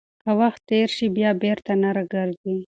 که وخت تېر شي، بیا بیرته نه راګرځي.